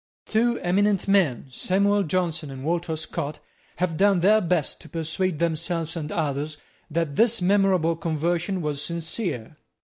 Two eminent men, Samuel Johnson and Walter Scott, have done their best to persuade themselves and others that this memorable conversion was sincere.